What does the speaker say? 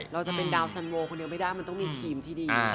เราจะเป็นดาวสันโวคนเดียวไม่ได้มันต้องมีทีมที่ดี